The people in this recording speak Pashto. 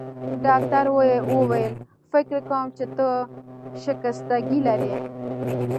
ډاکټر وویل: فکر کوم چي ته شکستګي لرې.